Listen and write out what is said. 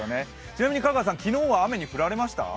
ちなみに香川さん、昨日は雨に降られました？